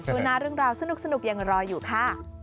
ช่วงหน้าเรื่องราวสนุกยังรออยู่ค่ะ